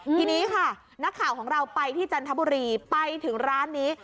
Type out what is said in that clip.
ทีนี้ค่ะนักข่าวของเราไปที่จันทบุรีไปถึงร้านนี้